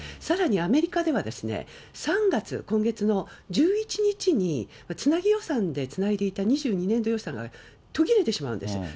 さらにアメリカでは３月、今月の１１日に、つなぎ予算でつないでいた２２年度予算が途切れてしまうんです。